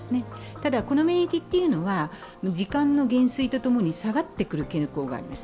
ただ、この免疫は時間の減衰とともに下がってくる傾向があります。